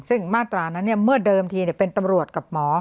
ซึ่งมาตรานั้นเมื่อเดิมทีเป็นตำรวจกับหมอ